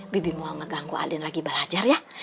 bibi mau ngeganggu aden lagi belajar ya